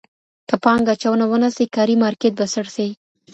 که پانګه اچونه ونه سي کاري مارکېټ به سړ سي.